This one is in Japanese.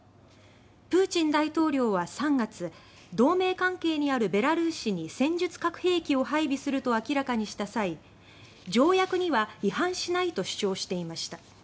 プーチン大統領は３月同盟関係にあるベラルーシに戦術核兵器を配備すると明らかにした際条約には違反しないと主張していました。